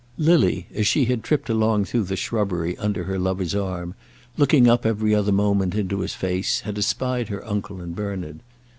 Lily, as she had tripped along through the shrubbery, under her lover's arm, looking up, every other moment, into his face, had espied her uncle and Bernard.